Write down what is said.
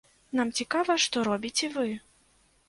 Нам цікава, што робіце вы.